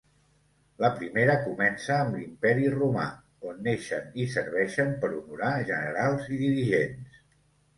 La primera comença amb l'Imperi Romà, on neixen i serveixen per honorar generals i dirigents.